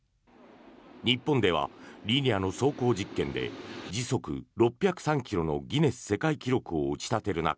日本ではリニアの走行実験で時速６０３ｋｍのギネス世界記録を打ち立てる中